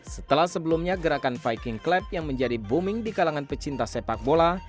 setelah sebelumnya gerakan viking clap yang menjadi booming di kalangan pecinta sepak bola